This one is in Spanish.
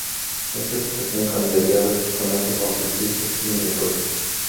Esta situación cambiaría drásticamente con sus hijos y nietos.